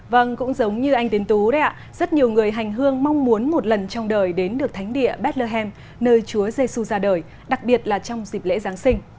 vâng cũng giống như anh tiến tú đấy ạ rất nhiều người hành hương mong muốn một lần trong đời đến được thánh địa bethlehem nơi chúa giê xu ra đời đặc biệt là trong dịp lễ giáng sinh